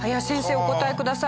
お答えください。